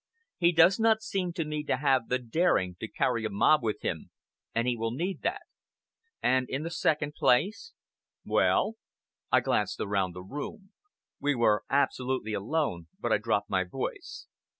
He does not seem to me to have the daring to carry a mob with him, and he will need that. And in the second place " "Well?" I glanced around the room. We were absolutely alone, but I dropped my voice.